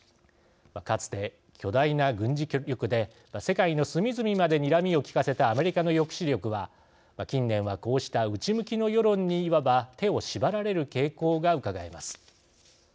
かつて巨大な軍事力で世界の隅々までにらみを利かせたアメリカの抑止力は近年は、こうした内向きの世論にいわば手を縛られる傾向がうかがえます。